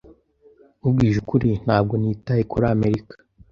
Nkubwije ukuri, ntabwo nitaye kuri Amerika.